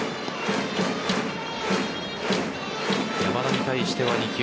山田に対しては２球